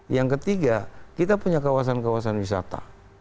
yang ketiga kita punya kawasan kawasan wisata